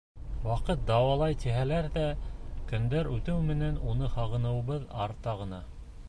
Ваҡыт дауалай, тиһәләр ҙә, көндәр үтеү менән уны һағыныуыбыҙ арта ғына.